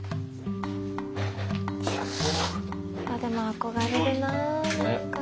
でも憧れるな何か。